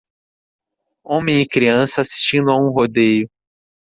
Homem e criança assistindo a um rodeio.